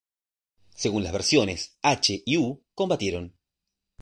Según las versiones "H" y "U", combatieron.